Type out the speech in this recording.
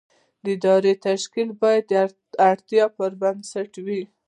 د ادارې تشکیل باید د اړتیاوو پر بنسټ وي.